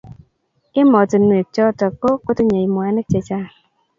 Emotunwek chotok ko kotinnye mwanik chechang'.